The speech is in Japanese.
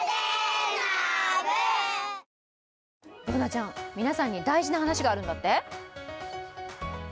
Ｂｏｏｎａちゃん、皆さんに大事な話があるんだって？